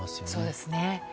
そうですね。